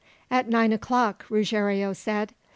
"At nine o'clock," Ruggiero said.